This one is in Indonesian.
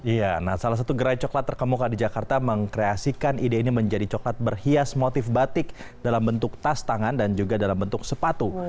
iya nah salah satu gerai coklat terkemuka di jakarta mengkreasikan ide ini menjadi coklat berhias motif batik dalam bentuk tas tangan dan juga dalam bentuk sepatu